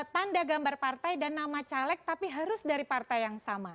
tanda gambar partai dan nama caleg tapi harus dari partai yang sama